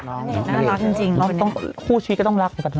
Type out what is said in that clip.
นี่น่ารักจริงคู่ชีก็ต้องรักด้วยกันนะ